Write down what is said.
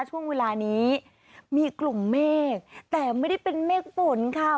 ช่วงเวลานี้มีกลุ่มเมฆแต่ไม่ได้เป็นเมฆฝนค่ะ